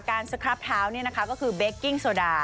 สครับเท้านี่นะคะก็คือเบคกิ้งโซดา